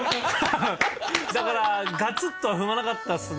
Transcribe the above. だからガツッとは踏まなかったっすね。